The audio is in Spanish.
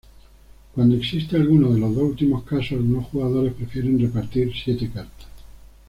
Cuando existe alguno de los dos últimos casos algunos jugadores prefieren repartir siete cartas.